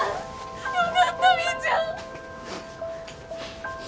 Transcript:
よかったみーちゃん。